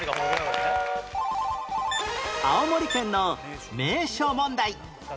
青森県の名所問題